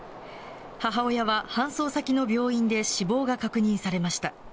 母親は搬送先の病院で死亡が確認されました。